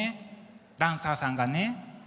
ダンサーさんがね。